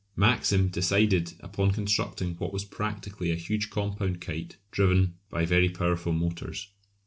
Maxim decided upon constructing what was practically a huge compound kite driven by very powerful motors.